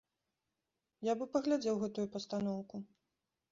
Я бы паглядзеў гэтую пастаноўку.